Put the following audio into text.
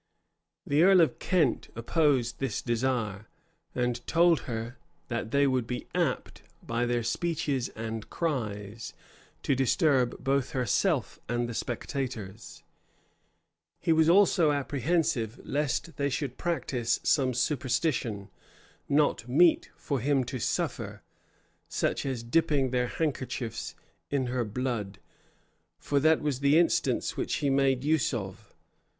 The earl of Kent opposed this desire, and told her that they would be apt, by their speeches and cries, to disturb both herself and the spectators: he was also apprehensive lest they should practise some superstition, not meet for him to suffer; such as dipping their handkerchiefs in her blood: for that was the instance which he made use of.